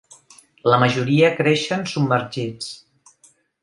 La majoria creixen submergits.